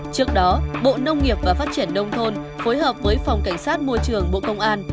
trước đó bộ nông nghiệp và phát triển nông thôn phối hợp với phòng cảnh sát môi trường bộ công an